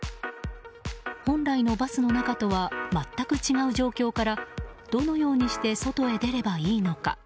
本来のバスの中とは全く違う状況からどのようにして外へ出ればいいのか。